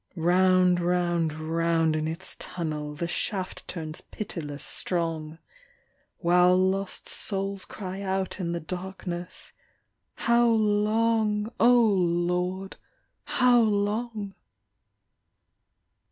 Round, round, round in its tunnel The shaft turns pitiless strong, While lost souls cry out in the darkness: "How long, O Lord, how long?"